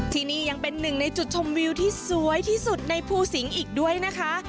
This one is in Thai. ที่นี่ยังเป็นหนึ่งในจุดชมวิวที่สวยที่สุดในภูสิงศ์อีกด้วยนะคะ